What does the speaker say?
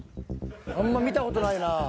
あんま見たことないな。